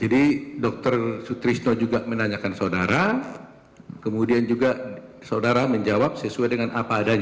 jadi dr sutrisno juga menanyakan saudara kemudian juga saudara menjawab sesuai dengan apa adanya